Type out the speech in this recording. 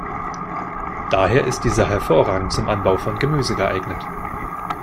Daher ist dieser hervorragend zum Anbau von Gemüse geeignet.